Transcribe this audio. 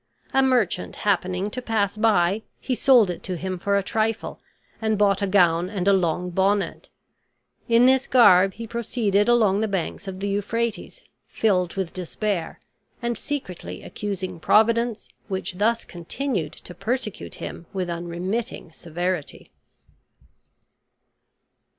A merchant happening to pass by, he sold it to him for a trifle and bought a gown and a long bonnet. In this garb he proceeded along the banks of the Euphrates, filled with despair, and secretly accusing Providence, which thus continued to persecute him with unremitting severity.